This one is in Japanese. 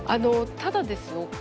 ただですよ